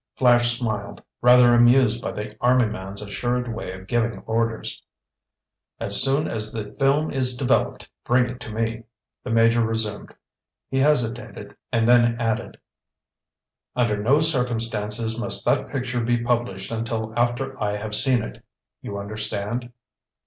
Flash smiled, rather amused by the army man's assured way of giving orders. "As soon as the film is developed, bring it to me," the Major resumed. He hesitated, and then added: "Under no circumstances must that picture be published until after I have seen it. You understand?"